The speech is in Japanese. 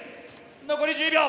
残り１０秒！